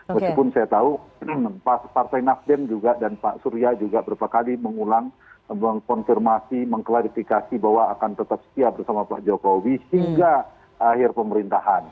meskipun saya tahu pas partai nasdem juga dan pak surya juga berapa kali mengulang mengkonfirmasi mengklarifikasi bahwa akan tetap setia bersama pak jokowi hingga akhir pemerintahan